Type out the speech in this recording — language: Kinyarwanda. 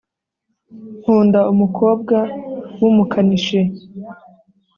nkunda umukobwa w'umukanishi